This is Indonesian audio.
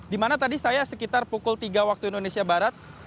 di mana tadi saya sekitar pukul tiga waktu indonesia barat